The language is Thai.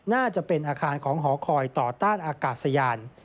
น่าจะเป็นอาคารของหอคอยต่อต้านอากาศยาน